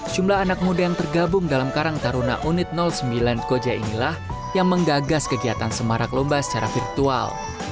jumlah anak muda yang tergabung dalam karang taruna unit sembilan koja inilah yang menggagas kegiatan semarak lomba secara virtual